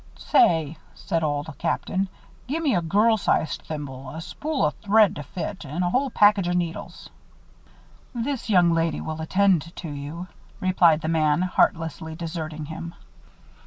"Say," said Old Captain, "gimme a girl sized thimble, a spool o' thread to fit, and a whole package o' needles." "This young lady will attend to you," replied the man, heartlessly deserting him.